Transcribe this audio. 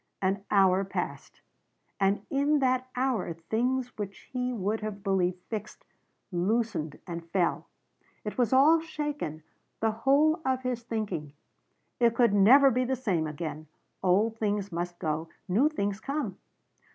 An hour passed. And in that hour things which he would have believed fixed loosened and fell. It was all shaken the whole of his thinking. It could never be the same again. Old things must go. New things come.